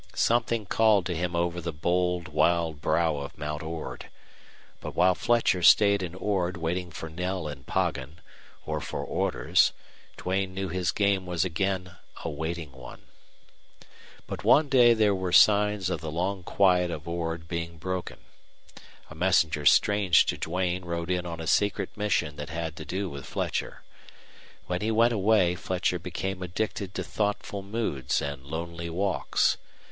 Something called to him over the bold, wild brow of Mount Ord. But while Fletcher stayed in Ord waiting for Knell and Poggin, or for orders, Duane knew his game was again a waiting one. But one day there were signs of the long quiet of Ord being broken. A messenger strange to Duane rode in on a secret mission that had to do with Fletcher. When he went away Fletcher became addicted to thoughtful moods and lonely walks.